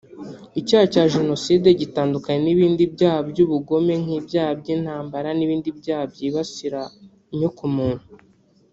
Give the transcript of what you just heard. Icyaha cya Jenoside gitandukanye n’ibindi byaha by’ubugome nk’ibyaha by’intambara n’ibindi byaha byibasira inyokomuntu